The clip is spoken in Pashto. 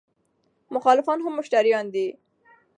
مخالفان هم مشتریان دي.